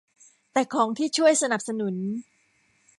แต่ของที่ช่วยสนับสนุน